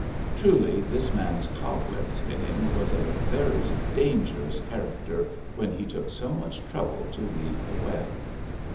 Truly this man's cobweb spinning was of a very dangerous character when he took so much trouble to weave the web.